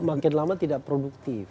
makin lama tidak produktif